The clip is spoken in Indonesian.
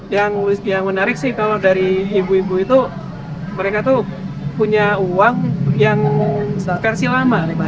yang menarik sih kalau dari ibu ibu itu mereka tuh punya uang yang versi lama